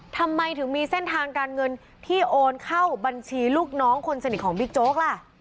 ทำไมถึงมีเส้นทางการเงินที่โอนเข้าบัญชีลูกน้องคนสนิทของบิ๊กโจ๊กล่ะ